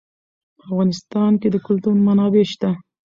په افغانستان کې د کلتور منابع شته.